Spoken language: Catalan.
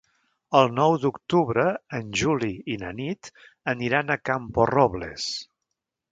El nou d'octubre en Juli i na Nit aniran a Camporrobles.